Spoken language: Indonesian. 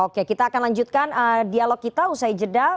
oke kita akan lanjutkan dialog kita usai jeda